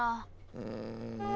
うん。